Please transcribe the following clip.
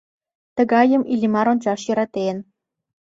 Тыгайым Иллимар ончаш йӧратен.